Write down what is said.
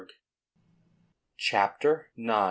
CHAPTER IX.